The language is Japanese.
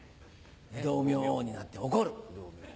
不動明王になって怒る。